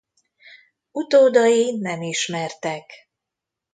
Utódai nem ismertek.